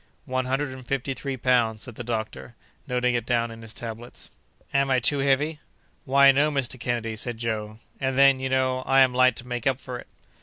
"One hundred and fifty three pounds," said the doctor, noting it down on his tablets. "Am I too heavy?" "Why, no, Mr. Kennedy!" said Joe; "and then, you know, I am light to make up for it."